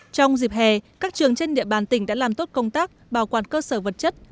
trong dịp hè các trường trên địa bàn tỉnh đã làm tốt công tác bảo quản cơ sở vật chất